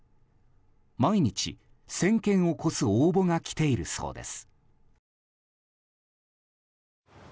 毎日１０００件を超す応募が来ているそうです。